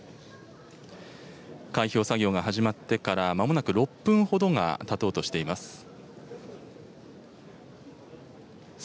開票作業が始まってから、まもなく６分ほどがたとうとしています。